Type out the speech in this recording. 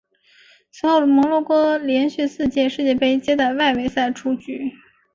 此后摩洛哥连续四届世界杯皆在外围赛出局。